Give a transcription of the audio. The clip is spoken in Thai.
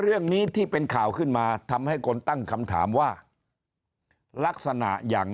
เรื่องนี้ที่เป็นข่าวขึ้นมาทำให้คนตั้งคำถามว่าลักษณะอย่าง